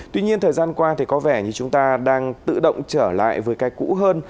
tuy nhiên thời gian qua thì có vẻ như chúng ta đang tự động trở lại với cái cũ hơn